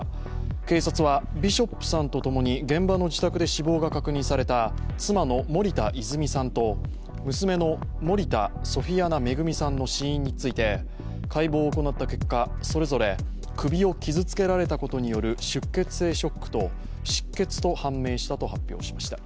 警察はビショップさんと共に現場で死亡が確認された妻の森田泉さんと、娘の森田ソフィアナ恵さんの死因について解剖を行った結果、それぞれ首を傷つけられたことによる出血性ショックと失血と判明したと発表しました。